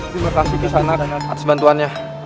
terima kasih kisanak atas bantuannya